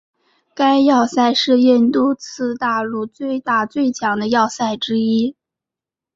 该要塞是印度次大陆最大最强的要塞之一。